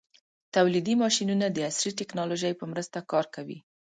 تولیدي ماشینونه د عصري ټېکنالوژۍ په مرسته کار کوي.